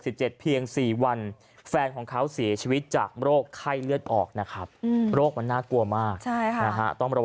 อืมแล้วตอนนี้ก็ระบาดกันเยอะด้วยนะครับ